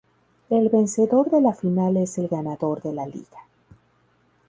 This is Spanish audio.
El vencedor de la final es el ganador de la liga.